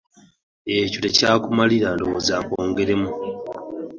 Ekyo tekyakumalira ndowooza nkwongeremu.